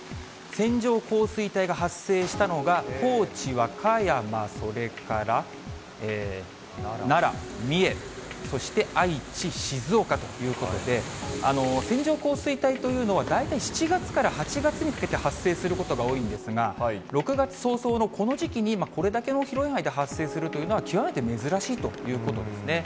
線状降水帯が発生したのが、高知、和歌山、それから奈良、三重、そして愛知、静岡ということで、線状降水帯というのは、大体７月から８月にかけて発生することが多いんですが、６月早々のこの時期に今、これだけの広い範囲で発生するというのは、極めて珍しいということですね。